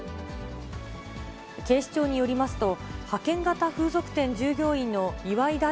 警視庁によりますと、派遣型風俗店従業員の岩井大